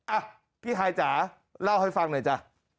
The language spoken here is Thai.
อ่ะพี่ฮายจ๋าเล่าให้ฟังหน่อยจ้ะ